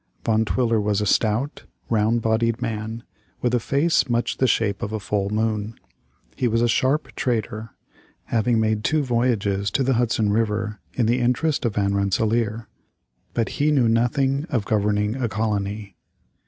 Van Twiller was a stout, round bodied man, with a face much the shape of a full moon. He was a sharp trader, having made two voyages to the Hudson River in the interest of Van Rensselaer, but he knew nothing of governing a colony.